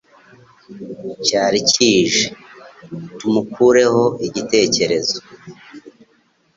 cyari kije; tumukureho icyitegererezo..